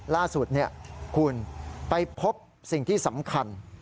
ล่าสุดคุณไปพบสิ่งที่สำคัญ